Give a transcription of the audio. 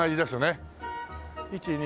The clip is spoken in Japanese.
１２